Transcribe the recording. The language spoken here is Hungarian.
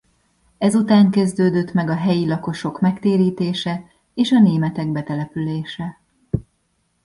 Ezután kezdődött meg a helyi lakosok megtérítése és a németek betelepülése.